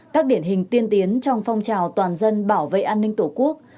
các điển hình tiên tiến trong phong trào toàn dân bảo vệ an ninh tổ quốc